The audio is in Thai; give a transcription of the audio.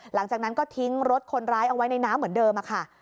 หลังจากนั้นก็ทิ้งรถคนร้ายเอาไว้ในน้ำเหมือนเดิมค่ะ